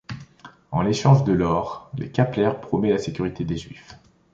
En échange de l'or, Kappler promet la sécurité des juifs.